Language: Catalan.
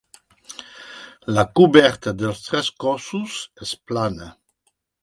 La coberta dels tres cossos és plana.